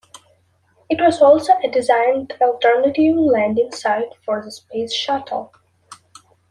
It was also a designated alternative landing site for the Space Shuttle.